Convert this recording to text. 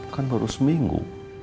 kan baru seminggu